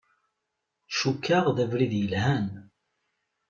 Cukkeɣ d abrid yelhan.